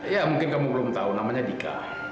ya mungkin kamu belum tahu namanya dika